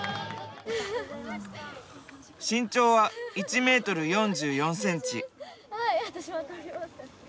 身長は１ｍ４４ｃｍ。